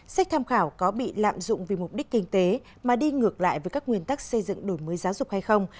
sách tham khảo có bị lạm dụng vì mục đích kinh tế mà đi ngược lại với các nguyên tắc xây dựng đổi mới giáo dục hay không